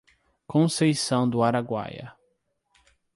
Conceição do Araguaia